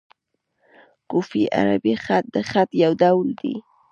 کوفي عربي خط؛ د خط یو ډول دﺉ.